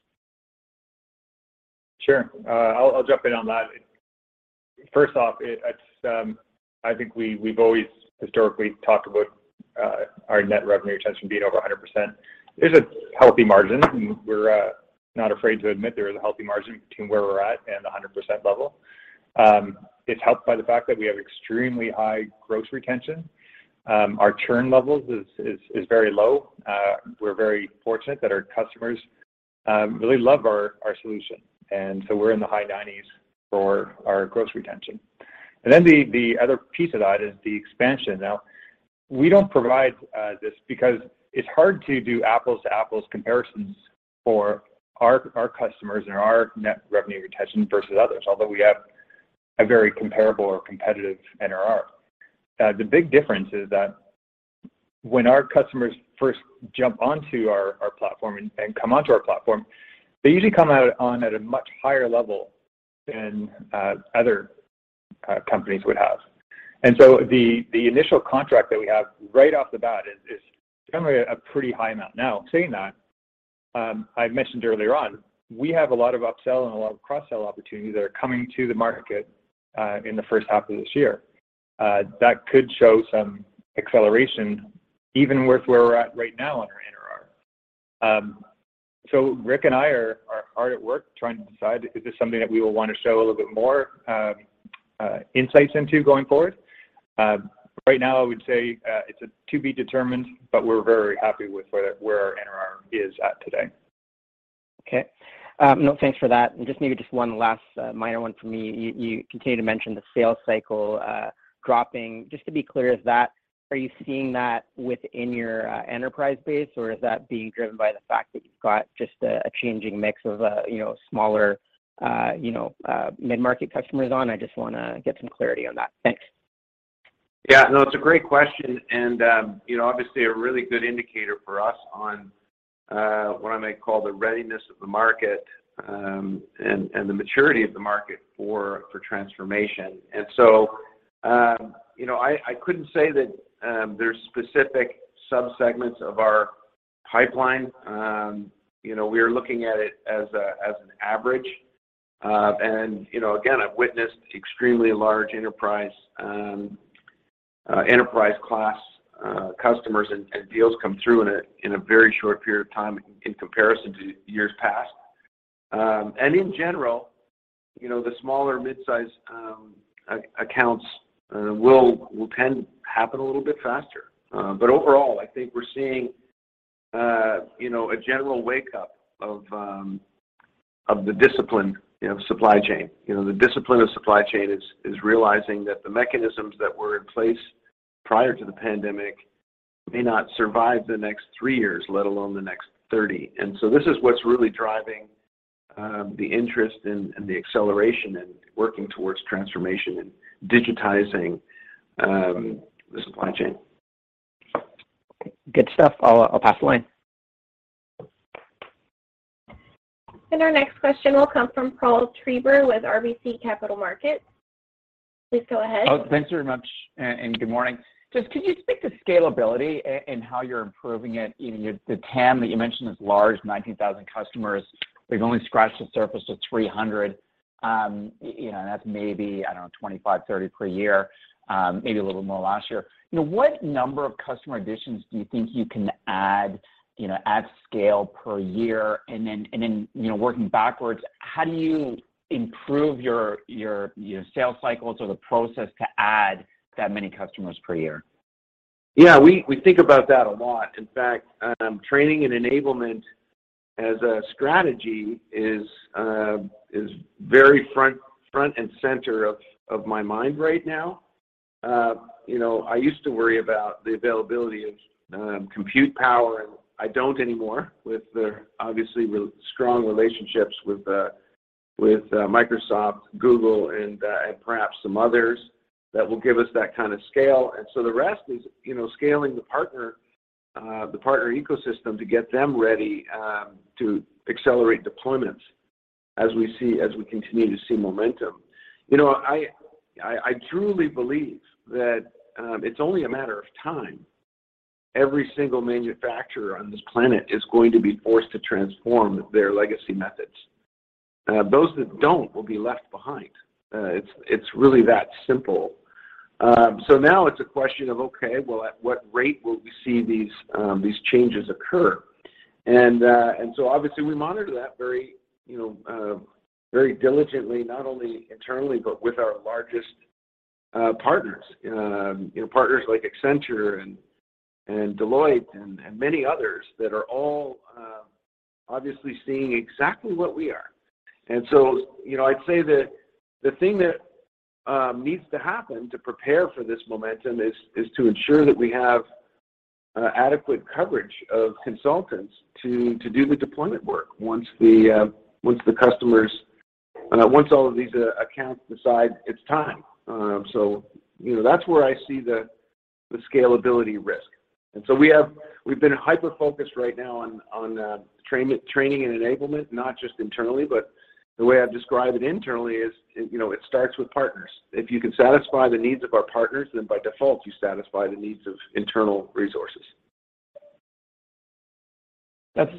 Sure. I'll jump in on that. First off, it's, I think we've always historically talked about our net revenue retention being over 100%. There's a healthy margin, and we're not afraid to admit there is a healthy margin between where we're at and the 100% level. It's helped by the fact that we have extremely high gross retention. Our churn levels is very low. We're very fortunate that our customers really love our solution. We're in the high 90%s for our gross retention. The other piece of that is the expansion. Now, we don't provide this because it's hard to do apples-to-apples comparisons for our customers and our net revenue retention versus others, although we have a very comparable or competitive NRR. The big difference is that when our customers first jump onto our platform and come onto our platform, they usually come out on at a much higher level than other companies would have. The initial contract that we have right off the bat is generally a pretty high amount. Now, saying that, I mentioned earlier on, we have a lot of upsell and a lot of cross-sell opportunities that are coming to the market in the first half of this year. That could show some acceleration even with where we're at right now on our NRR. Rick and I are hard at work trying to decide, is this something that we will want to show a little bit more insights into going forward? Right now, I would say it's to be determined, but we're very happy with where our NRR is at today.
Okay. No, thanks for that. Just maybe just one last, minor one for me. You, you continue to mention the sales cycle, dropping. Just to be clear, are you seeing that within your enterprise base, or is that being driven by the fact that you've got just a changing mix of, you know, smaller, you know, mid-market customers on? I just wanna get some clarity on that. Thanks.
Yeah, no, it's a great question and, you know, obviously a really good indicator for us on what I might call the readiness of the market and the maturity of the market for transformation. You know, I couldn't say that there's specific sub-segments of our pipeline. You know, we are looking at it as an average. You know, again, I've witnessed extremely large enterprise enterprise class customers and deals come through in a very short period of time in comparison to years past. In general, you know, the smaller mid-size accounts will tend to happen a little bit faster. Overall, I think we're seeing, you know, a general wake up of the discipline, you know, of supply chain. You know, the discipline of supply chain is realizing that the mechanisms that were in place prior to the pandemic may not survive the next three years, let alone the next 30. This is what's really driving the interest and the acceleration in working towards transformation and digitizing the supply chain.
Good stuff. I'll pass the line.
Our next question will come from Paul Treiber with RBC Capital Markets. Please go ahead.
Thanks very much and good morning. Just could you speak to scalability and how you're improving it in the TAM that you mentioned is large, 90,000 customers. They've only scratched the surface of 300. You know, that's maybe, I don't know, 25, 30 per year, maybe a little more last year. You know, what number of customer additions do you think you can add, you know, at scale per year? You know, working backwards, how do you improve your, you know, sales cycles or the process to add that many customers per year?
Yeah, we think about that a lot. In fact, training and enablement as a strategy is very front and center of my mind right now. You know, I used to worry about the availability of compute power, and I don't anymore with the obviously strong relationships with Microsoft, Google and perhaps some others that will give us that kind of scale. The rest is, you know, scaling the partner ecosystem to get them ready to accelerate deployments as we see, as we continue to see momentum. You know, I truly believe that it's only a matter of time. Every single manufacturer on this planet is going to be forced to transform their legacy methods. Those that don't will be left behind. It's really that simple. Now it's a question of, okay, well, at what rate will we see these changes occur? Obviously we monitor that very, you know, very diligently, not only internally, but with our largest partners. You know, partners like Accenture and Deloitte and many others that are all obviously seeing exactly what we are. You know, I'd say that the thing that needs to happen to prepare for this momentum is to ensure that we have adequate coverage of consultants to do the deployment work once all of these accounts decide it's time. You know, that's where I see the scalability risk. We've been hyper-focused right now on training and enablement, not just internally. The way I describe it internally is, you know, it starts with partners. If you can satisfy the needs of our partners, then by default you satisfy the needs of internal resources.
That's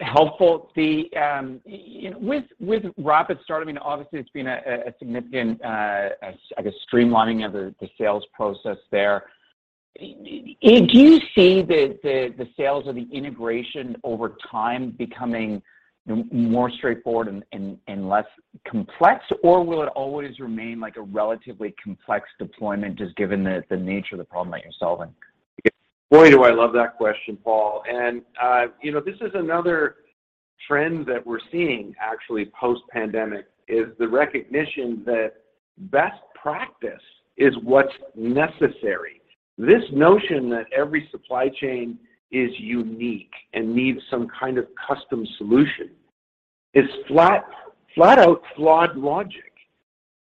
helpful. You know, with RapidStart, I mean, obviously it's been a significant, I guess, streamlining of the sales process there. Do you see the sales or the integration over time becoming more straightforward and less complex, or will it always remain like a relatively complex deployment, just given the nature of the problem that you're solving?
Boy, do I love that question, Paul. You know, this is another trend that we're seeing actually post-pandemic is the recognition that best practice is what's necessary. This notion that every supply chain is unique and needs some kind of custom solution is flat out flawed logic.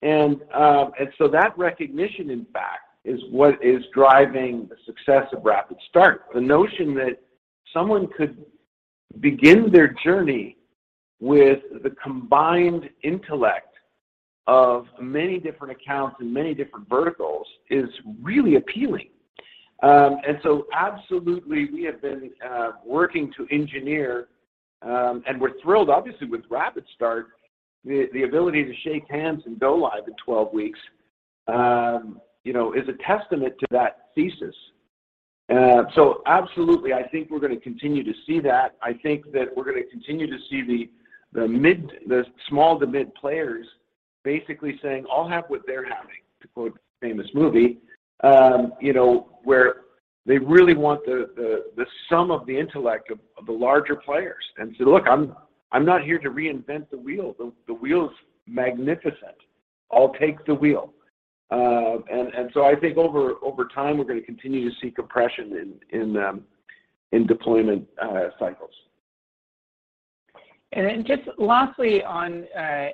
That recognition, in fact, is what is driving the success of RapidStart. The notion that someone could begin their journey with the combined intellect of many different accounts and many different verticals is really appealing. Absolutely, we have been working to engineer, and we're thrilled obviously with RapidStart. The ability to shake hands and go live in 12 weeks, you know, is a testament to that thesis. Absolutely. I think we're gonna continue to see that. I think that we're gonna continue to see the small to mid players basically saying, "I'll have what they're having," to quote a famous movie. you know, where they really want the sum of the intellect of the larger players and say, "Look, I'm not here to reinvent the wheel. The wheel's magnificent. I'll take the wheel." I think over time, we're gonna continue to see compression in deployment cycles.
Then just lastly on,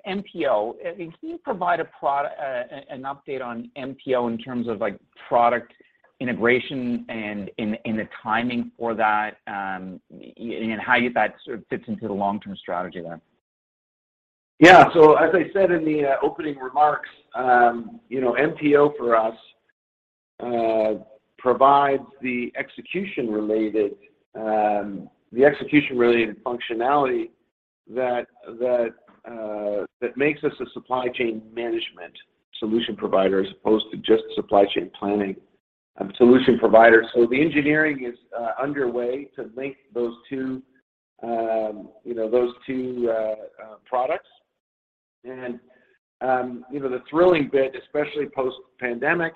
MPO. Can you provide an update on MPO in terms of like product integration and the timing for that, and how that sort of fits into the long-term strategy then?
Yeah. As I said in the opening remarks, you know, MPO for us provides the execution-related, the execution-related functionality that, that makes us a supply chain management solution provider as opposed to just supply chain planning solution provider. The engineering is underway to link those two, you know, those two products. You know, the thrilling bit, especially post-pandemic,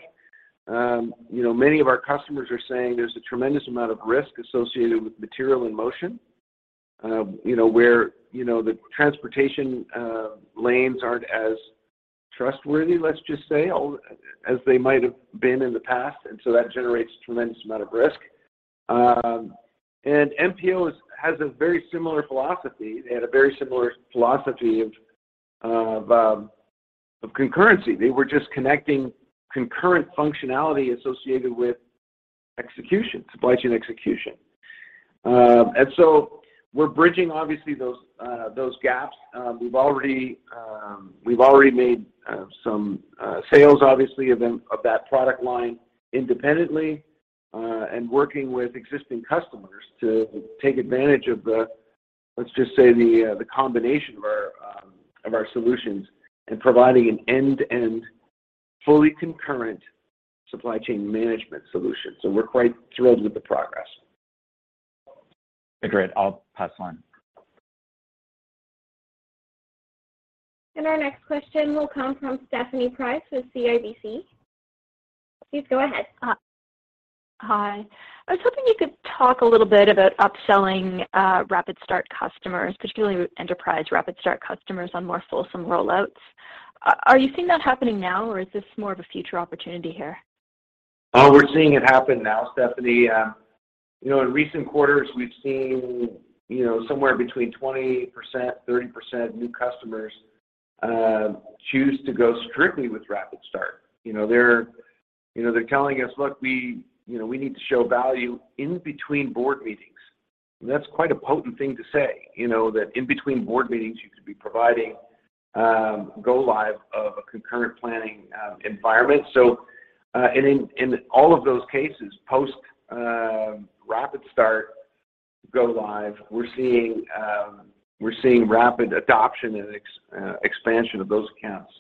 you know, many of our customers are saying there's a tremendous amount of risk associated with material in motion. You know, where, you know, the transportation lanes aren't as trustworthy, let's just say, as they might have been in the past. That generates a tremendous amount of risk. MPO has a very similar philosophy. They had a very similar philosophy of, of concurrency. They were just connecting concurrent functionality associated with execution, supply chain execution. We're bridging obviously those gaps. We've already made some sales obviously of them, of that product line independently, and working with existing customers to take advantage of the, let's just say, the combination of our solutions and providing an end-to-end, fully concurrent supply chain management solution. We're quite thrilled with the progress.
Great. I'll pass on.
Our next question will come from Stephanie Price with CIBC. Please go ahead.
Hi. I was hoping you could talk a little bit about upselling RapidStart customers, particularly with enterprise RapidStart customers on more fulsome rollouts. Are you seeing that happening now, or is this more of a future opportunity here?
We're seeing it happen now, Stephanie. You know, in recent quarters, we've seen, you know, somewhere between 20%, 30% new customers choose to go strictly with RapidStart. You know, they're, you know, they're telling us, "Look, we, you know, we need to show value in between board meetings." That's quite a potent thing to say, you know, that in between board meetings, you could be providing, go live of a concurrent planning, environment. In all of those cases, post RapidStart go live, we're seeing rapid adoption and expansion of those accounts.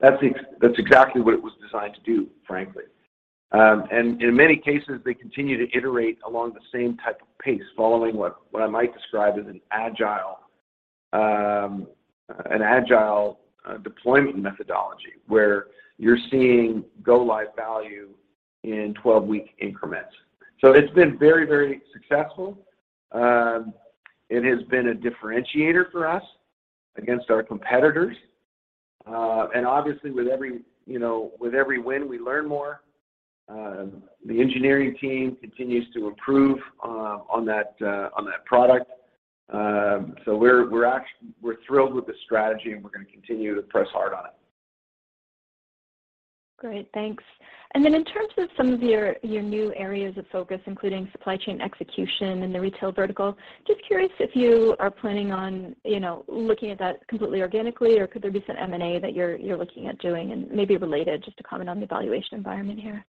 That's exactly what it was designed to do, frankly. In many cases, they continue to iterate along the same type of pace, following what I might describe as an agile deployment methodology, where you're seeing go live value in 12-week increments. It's been very, very successful. It has been a differentiator for us against our competitors. Obviously with every win, we learn more. The engineering team continues to improve on that product. We're thrilled with the strategy, and we're gonna continue to press hard on it.
Great. Thanks. In terms of some of your new areas of focus, including supply chain execution and the retail vertical, just curious if you are planning on, you know, looking at that completely organically, or could there be some M&A that you're looking at doing? Maybe related, just to comment on the valuation environment here.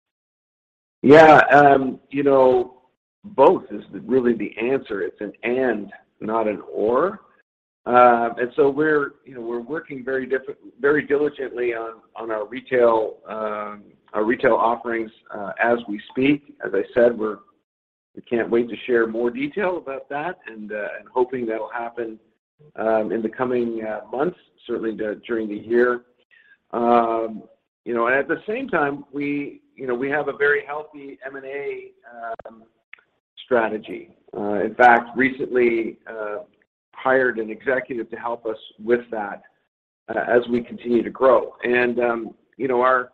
Yeah, you know, both is really the answer. It's an and, not an or. We're, you know, we're working very diligently on our retail offerings as we speak. As I said, we can't wait to share more detail about that and hoping that'll happen in the coming months, certainly during the year. You know, at the same time, we, you know, we have a very healthy M&A strategy. In fact, recently hired an executive to help us with that as we continue to grow. You know, our,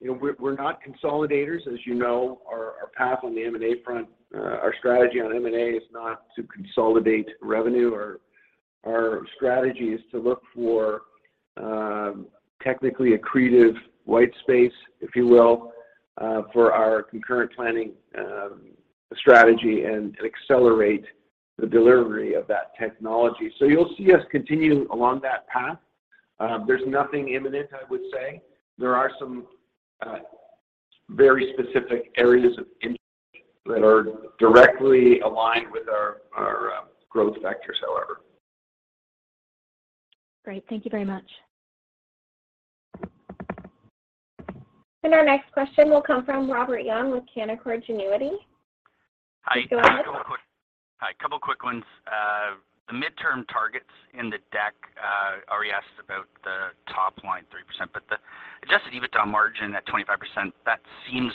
you know, we're not consolidators, as you know. Our path on the M&A front, our strategy on M&A is not to consolidate revenue. Our strategy is to look for technically accretive white space, if you will, for our concurrent planning strategy and accelerate the delivery of that technology. You'll see us continue along that path. There's nothing imminent, I would say. There are some very specific areas of interest that are directly aligned with our growth vectors, however.
Great. Thank you very much.
Our next question will come from Robert Young with Canaccord Genuity.
Hi.
Please go ahead. Hi, a couple quick ones. The midterm targets in the deck, Ari asked about the top line, 3%. The adjusted EBITDA margin at 25%, that seems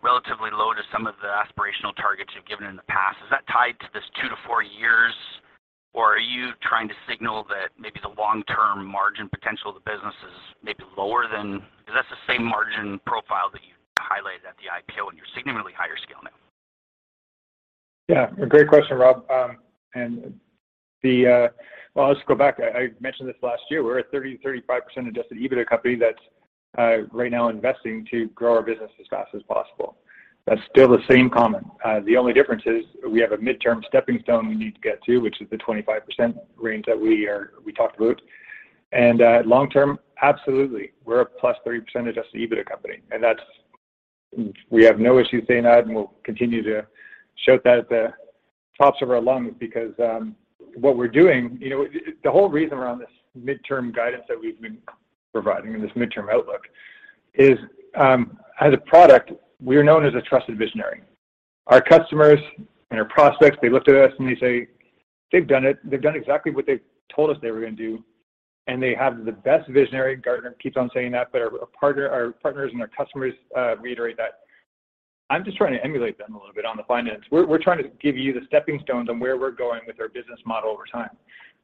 relatively low to some of the aspirational targets you've given in the past. Is that tied to this two to four years, or are you trying to signal that maybe the long-term margin potential of the business is maybe lower than... Because that's the same margin profile that you highlighted at the IPO, and you're significantly higher scale now.
Yeah, great question, Rob. Well, I'll just go back. I mentioned this last year. We're a 30%-35% adjusted EBITDA company that's right now investing to grow our business as fast as possible. That's still the same comment. The only difference is we have a midterm stepping stone we need to get to, which is the 25% range that we talked about. Long term, absolutely. We're a +30% adjusted EBITDA company, and that's We have no issue saying that, and we'll continue to shout that at the tops of our lungs because, what we're doing, you know. The whole reason around this midterm guidance that we've been providing and this midterm outlook is, as a product, we are known as a trusted visionary. Our customers and our prospects, they looked at us and they say, "They've done it. They've done exactly what they told us they were gonna do, and they have the best visionary." Gartner keeps on saying that, but our partners and our customers reiterate that. I'm just trying to emulate them a little bit on the finance. We're trying to give you the stepping stones on where we're going with our business model over time.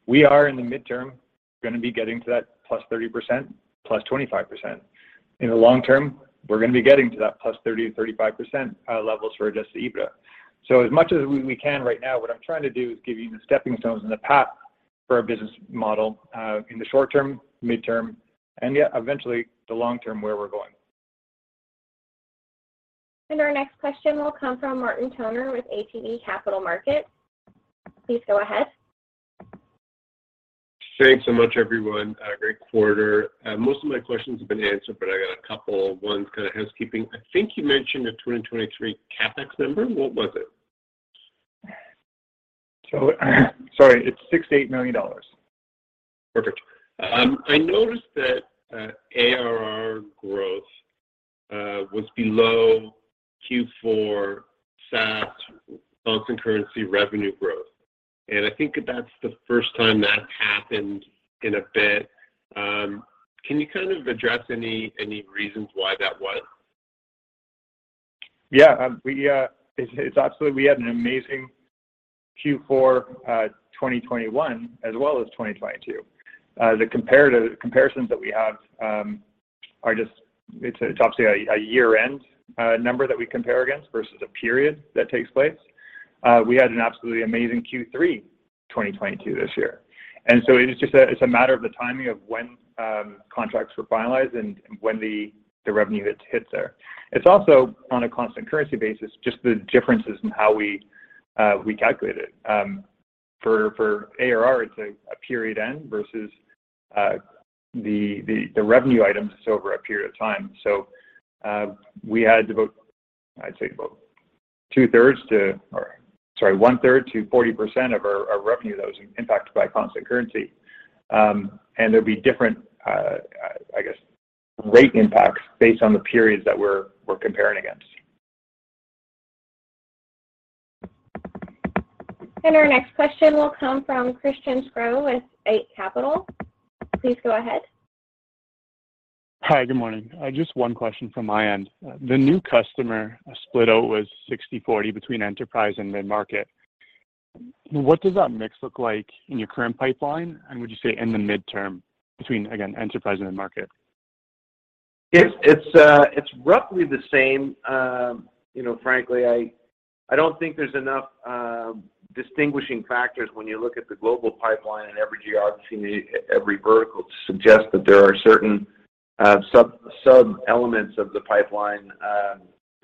We are, in the midterm, gonna be getting to that +30%, +25%. In the long term, we're gonna be getting to that +30%-35% levels for adjusted EBITDA. As much as we can right now, what I'm trying to do is give you the stepping stones and the path for our business model, in the short term, midterm, and yeah, eventually the long term where we're going.
Our next question will come from Martin Toner with ATB Capital Markets. Please go ahead.
Thanks so much, everyone, a great quarter. Most of my questions have been answered, but I got a couple. One's kinda housekeeping. I think you mentioned a 2023 CapEx number. What was it?
Sorry, it's $6 million-$8 million.
Perfect. I noticed that ARR growth was below Q4 SaaS constant currency revenue growth, and I think that's the first time that's happened in a bit. Can you kind of address any reasons why that was?
Yeah. We had an amazing Q4 2021, as well as 2022. The comparisons that we have are just it's obviously a year-end number that we compare against versus a period that takes place. We had an absolutely amazing Q3 2022 this year. It is just a It's a matter of the timing of when contracts were finalized and when the revenue hits there. It's also, on a constant currency basis, just the differences in how we calculate it. For ARR, it's a period end versus the revenue item sits over a period of time. We had about, I'd say about 1/3 to 40% of our revenue that was impacted by constant currency. There'll be different, I guess, rate impacts based on the periods that we're comparing against.
Our next question will come from Christian Sgro with Eight Capital. Please go ahead.
Hi, good morning. Just one question from my end. The new customer split out was 60-40 between enterprise and mid-market. What does that mix look like in your current pipeline, and would you say in the midterm between, again, enterprise and mid-market?
It's roughly the same. You know, frankly, I don't think there's enough distinguishing factors when you look at the global pipeline in every geography and every vertical to suggest that there are certain sub-elements of the pipeline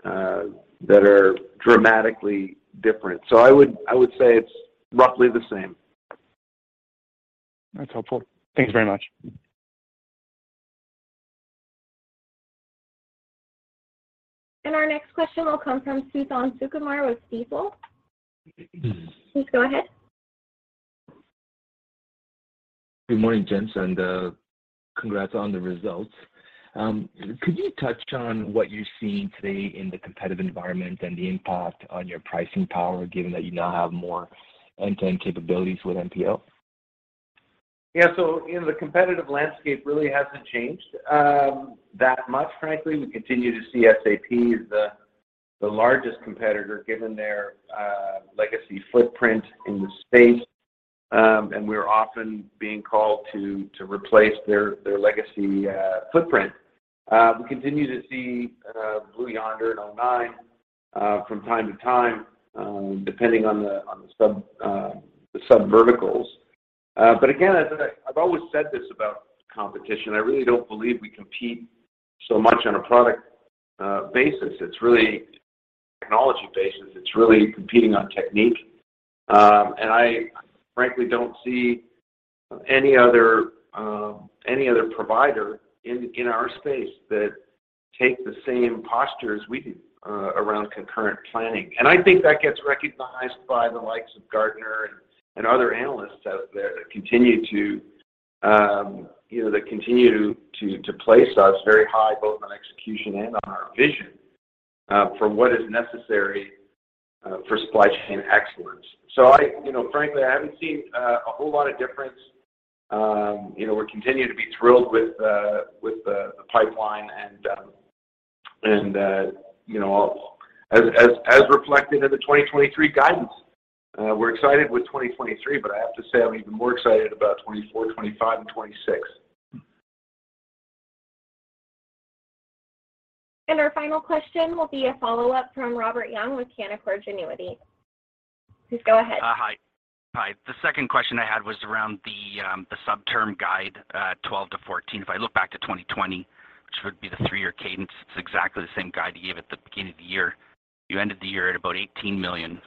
that are dramatically different. I would say it's roughly the same.
That's helpful. Thank you very much.
Our next question will come from Suthan Sukumar with Stifel. Please go ahead.
Good morning, gents, and congrats on the results. Could you touch on what you're seeing today in the competitive environment and the impact on your pricing power, given that you now have more end-to-end capabilities with MPO?
Yeah. You know, the competitive landscape really hasn't changed that much, frankly. We continue to see SAP as the largest competitor, given their legacy footprint in the space. We're often being called to replace their legacy footprint. We continue to see Blue Yonder and o9 from time to time, depending on the sub verticals. But again, as I've always said this about competition, I really don't believe we compete so much on a product basis. It's really technology basis. It's really competing on technique. I frankly don't see any other provider in our space that take the same posture as we do around concurrent planning. I think that gets recognized by the likes of Gartner and other analysts out there that continue, you know, that continue to place us very high, both on execution and on our vision for what is necessary for supply chain excellence. You know, frankly, I haven't seen a whole lot of difference. You know, we continue to be thrilled with the pipeline and, you know, as reflected in the 2023 guidance. We're excited with 2023, but I have to say I'm even more excited about 2024, 2025, and 2026.
Our final question will be a follow-up from Robert Young with Canaccord Genuity. Please go ahead.
Hi. Hi. The second question I had was around the sub-term guide, $12 million-$14 million. If I look back to 2020, which would be the three-year cadence, it's exactly the same guide you gave at the beginning of the year. You ended the year at about $18 million.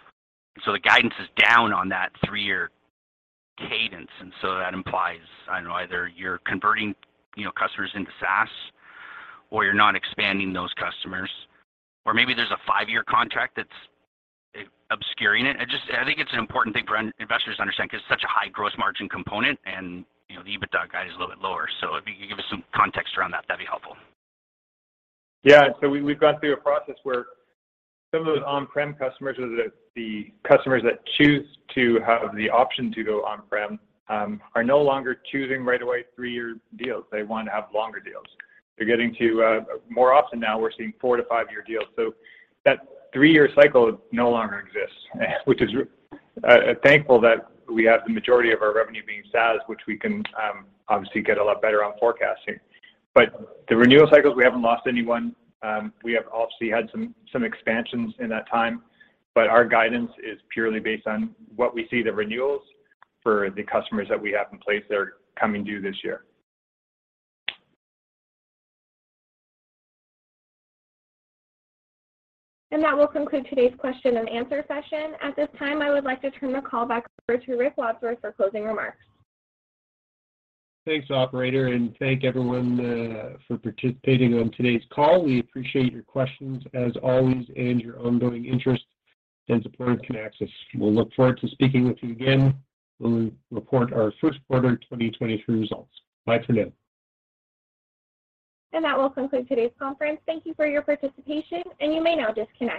The guidance is down on that three-year cadence, that implies, I don't know, either you're converting, you know, customers into SaaS, or you're not expanding those customers. Maybe there's a five-year contract that's obscuring it. I think it's an important thing for investors to understand, 'cause it's such a high gross margin component and, you know, the EBITDA guide is a little bit lower. If you could give us some context around that'd be helpful.
We've gone through a process where some of those on-prem customers or the customers that choose to have the option to go on-prem, are no longer choosing right away three-year deals. They want to have longer deals. They're getting to more often now, we're seeing four to five-year deals. That three-year cycle no longer exists, which is thankful that we have the majority of our revenue being SaaS, which we can obviously get a lot better on forecasting. The renewal cycles, we haven't lost anyone. We have obviously had some expansions in that time, but our guidance is purely based on what we see the renewals for the customers that we have in place that are coming due this year.
That will conclude today's question-and-answer session. At this time, I would like to turn the call back over to Rick Wadsworth for closing remarks.
Thanks, operator, and thank everyone for participating on today's call. We appreciate your questions as always and your ongoing interest and support of Kinaxis. We'll look forward to speaking with you again when we report our first quarter of 2023 results. Bye for now.
That will conclude today's conference. Thank you for your participation, and you may now disconnect.